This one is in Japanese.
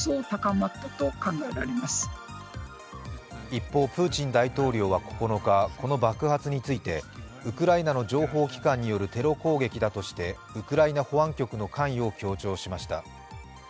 一方プーチン大統領は９日、この爆発についてウクライナの情報機関によるテロ攻撃だとしてウクライナ保安局の関与を強調しました。